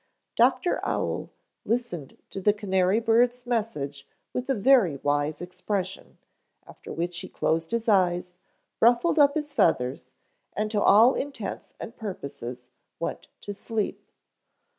Dr. Owl listened to the canary bird's message with a very wise expression, after which he closed his eyes, ruffled up his feathers and to all intents and purposes went to sleep.